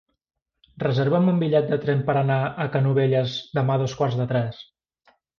Reserva'm un bitllet de tren per anar a Canovelles demà a dos quarts de tres.